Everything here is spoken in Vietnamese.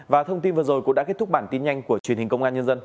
và thông tin vừa rồi cũng đã kết thúc bản tin nhanh của truyền hình công an nhân dân